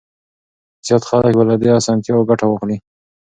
زيات خلک به له دې اسانتياوو ګټه واخلي.